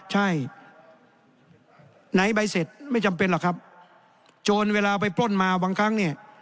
ใช่ไหนใบเสร็จไม่จำเป็นหรอกครับโจรเวลาไปปล้นมาบางครั้งเนี่ย